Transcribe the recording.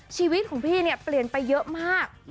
ชีวิตของพี่เนี่ยเปลี่ยนไปเยอะมาก